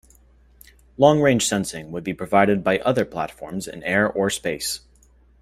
Long-range sensing would be provided by other platforms in air or space.